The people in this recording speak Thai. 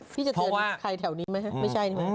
พี่จะเจอใครแถวนี้ไหมไม่ใช่ไหม